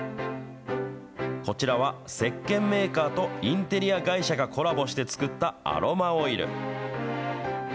こちらはせっけんメーカーとインテリア会社がコラボして作ったアロマオイル。